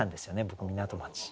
僕港町。